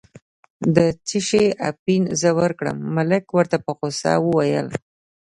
د څه شي اپین زه ورکړم، ملک ورته په غوسه وویل.